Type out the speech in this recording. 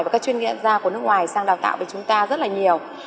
và các chuyên nghiệp ra của nước ngoài sang đào tạo với chúng ta rất là nhiều